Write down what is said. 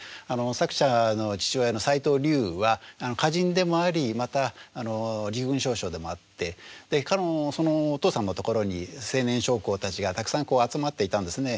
作者の父親の齋藤瀏は歌人でもありまた陸軍少将でもあってそのお父さんのところに青年将校たちがたくさん集まっていたんですね。